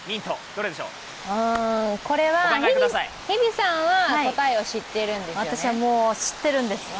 これは日比さんは答えを知ってるんですよねあら？